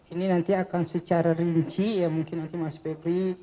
ini nanti akan secara rinci ya mungkin nanti mas febri